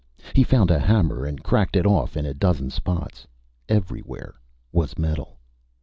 He found a hammer and cracked it off in a dozen spots everywhere was metal.